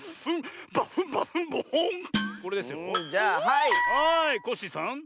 はいコッシーさん。